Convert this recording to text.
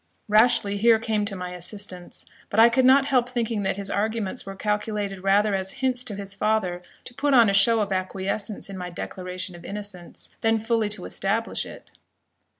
Rashleigh here came to my assistance; but I could not help thinking that his arguments were calculated rather as hints to his father to put on a show of acquiescence in my declaration of innocence, than fully to establish it.